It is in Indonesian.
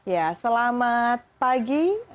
ya selamat pagi